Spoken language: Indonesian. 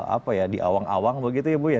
apa ya di awang awang begitu ya bu ya